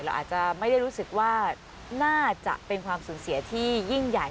อาจจะไม่ได้รู้สึกว่าน่าจะเป็นความสูญเสียที่ยิ่งใหญ่